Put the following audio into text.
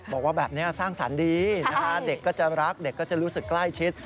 บอกว่าแบบนี้สร้างสรรค์ดีนะคะเด็กก็จะรักเด็กก็จะรู้สึกใกล้ชิด